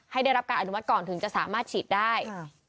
ได้รับการอนุมัติก่อนถึงจะสามารถฉีดได้